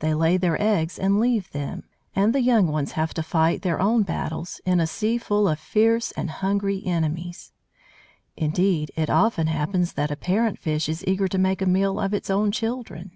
They lay their eggs and leave them; and the young ones have to fight their own battles, in a sea full of fierce and hungry enemies. Indeed, it often happens that a parent fish is eager to make a meal of its own children!